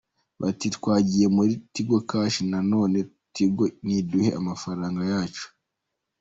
Bati “twagiye muri Tigo cash none Tigo niduhe amafaranga yacu”